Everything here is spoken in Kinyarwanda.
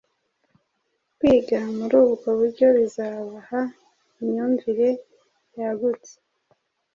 Kwiga muri ubwo buryo bizabaha imyumvire yagutse